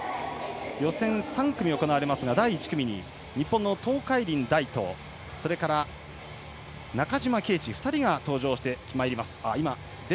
予選３組行われますが、第１組に日本の東海林大と中島啓智２人が登場してまいります。